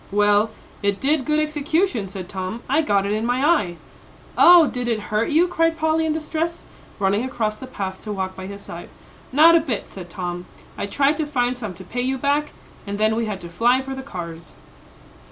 "Well, it did good execution," said Tom; "I got it in my eye." "Oh, did it hurt you?" cried Polly, in distress, running across the path to walk by his side. "Not a bit," said Tom. "I tried to find some to pay you back, and then we had to fly for the cars."